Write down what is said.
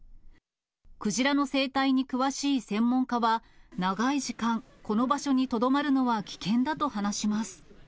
クジラの生態に詳しい専門家は、長い時間、この場所にとどまるのは危険だと話します。